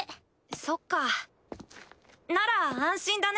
そっかなら安心だね。